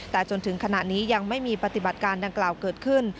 แต่จนถึงขณะนี้ยังไม่มีปฏิบัติการดังกล่าวเกิดขึ้น